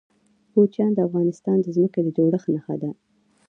کوچیان د افغانستان د ځمکې د جوړښت نښه ده.